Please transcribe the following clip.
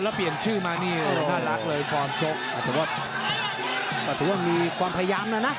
แล้วเปลี่ยนชื่อมานี่โอ้น่ารักเลยฟอร์มชกอาจจะว่าก็ถือว่ามีความพยายามนะนะ